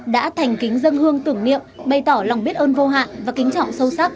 đã thành kính dân hương tưởng niệm bày tỏ lòng biết ơn vô hạn và kính trọng sâu sắc